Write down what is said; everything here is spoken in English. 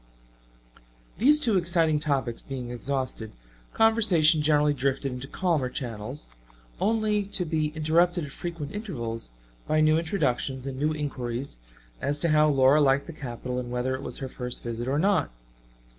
These two exciting topics being exhausted, conversation generally drifted into calmer channels, only to be interrupted at frequent intervals by new introductions and new inquiries as to how Laura liked the capital and whether it was her first visit or not.